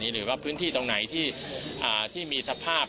หรือว่าพื้นที่ตรงไหนที่มีสภาพ